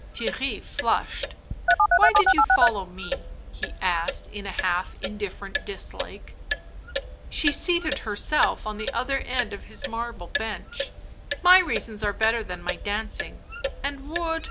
Theirry flushed. "Why did you follow me?" he asked in a half indifferent dislike. She seated herself on the other end of his marble bench. " My reasons are better than my dancing, and would.